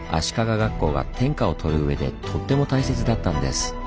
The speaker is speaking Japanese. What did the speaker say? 学校が天下をとる上でとっても大切だったんです。